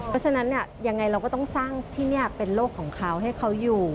เพราะฉะนั้นยังไงเราก็ต้องสร้างที่นี่เป็นโลกของเขาให้เขาอยู่